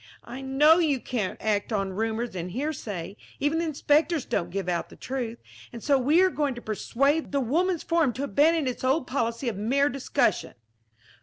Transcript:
I know you can't act on rumors and hearsay. Even the inspectors don't give out the truth. And so we are going to persuade the Woman's Forum to abandon its old policy of mere discussion.